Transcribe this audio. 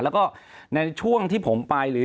แล้วก็ในช่วงที่ผมไป